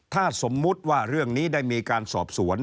ถ้าสมมุติว่าเรื่องนี้ได้มีการสอบสวน